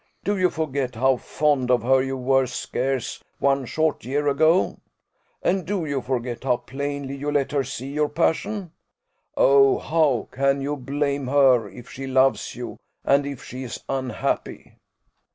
Do you forget how fond of her you were scarce one short year ago? And do you forget how plainly you let her see your passion? Oh, how can you blame her, if she loves you, and if she is unhappy?"